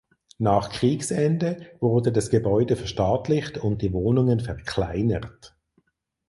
Nach Kriegsende wurde das Gebäude verstaatlicht und die Wohnungen verkleinert.